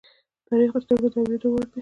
تاریخ د سترگو د اوریدو وړ دی.